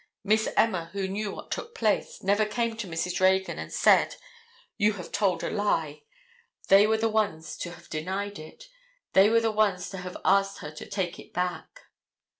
Miss Emma, who knew what took place, never came to Mrs. Reagan, and said, "You have told a lie!" They were the ones to have denied it. They were the ones to have asked her to take it back.